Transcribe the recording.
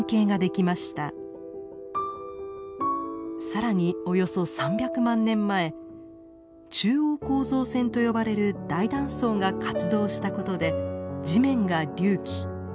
更におよそ３００万年前中央構造線と呼ばれる大断層が活動したことで地面が隆起。